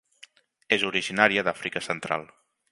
És originària d'Àfrica Central.